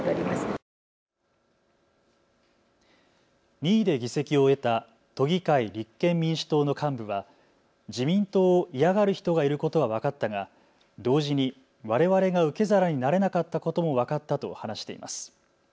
２位で議席を得た都議会立憲民主党の幹部は自民党を嫌がる人がいることは分かったが同時にわれわれが受け皿になれなかったことも分かったと話しています。